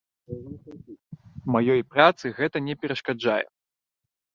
Маёй працы гэта не перашкаджае.